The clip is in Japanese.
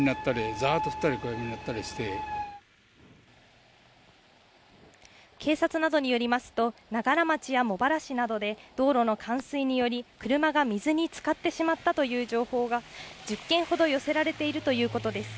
ざーっと降ったり、小やみになっ警察などによりますと、長柄町や茂原市などで、道路の冠水により車が水につかってしまったという情報が１０件ほど寄せられているということです。